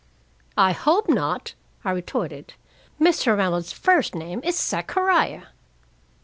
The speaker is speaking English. "I hope not," I retorted. Mr. Reynold's first name is Zachariah.